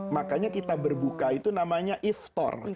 makanya kita berbuka itu namanya iftar